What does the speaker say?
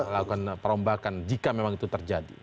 lakukan perombakan jika memang itu terjadi